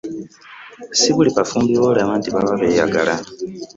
Si buli bafumbi b'olaba nti baba beeyagala